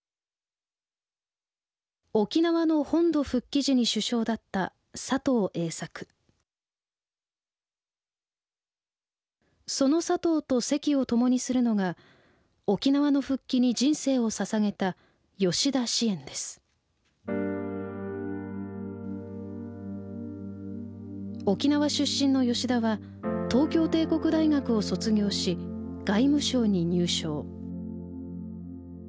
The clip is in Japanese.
沖縄の本土復帰時に首相だったその佐藤と席を共にするのが沖縄の復帰に人生をささげた沖縄出身の吉田は東京帝国大学を卒業し外務省に入省。